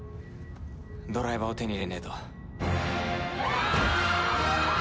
ドライバーを手に入れねえと。